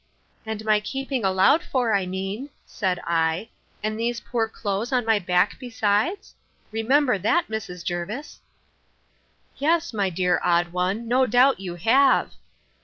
And my keeping allowed for, I mean, said I, and these poor clothes on my back, besides? Remember that, Mrs. Jervis. Yes, my dear odd one, no doubt you have.